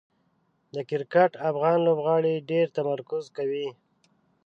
د کرکټ افغان لوبغاړي ډېر تمرکز کوي.